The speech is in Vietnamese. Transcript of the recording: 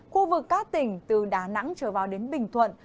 khu vực các tỉnh từ đà nẵng trở vào đến bình thuận